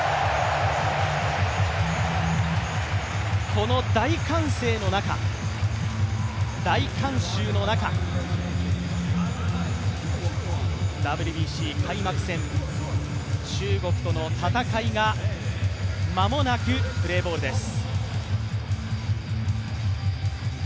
この大歓声の中、大観衆の中、ＷＢＣ開幕戦、中国との戦いが間もなくプレーボールです。